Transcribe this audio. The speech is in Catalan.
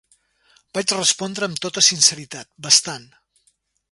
Vaig respondre amb tota sinceritat: "Bastant".